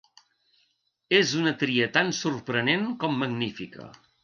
És una tria tan sorprenent com magnífica.